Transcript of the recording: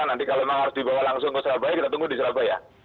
nanti kalau memang harus dibawa langsung ke surabaya kita tunggu di surabaya